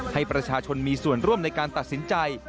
ให้ประชาชนมีส่วนร่วมในการตัดสินใจ